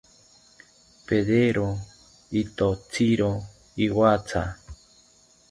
Pedero ithotziro iwatha